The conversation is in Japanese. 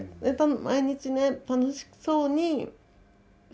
毎日ね楽しそうにしてたから。